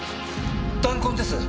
弾痕です！